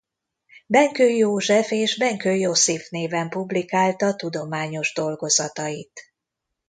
Benkő József és Benkő Iosif néven publikálta tudományos dolgozatait.